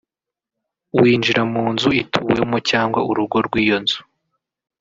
winjira mu nzu ituwemo cyangwa urugo rw’iyo nzu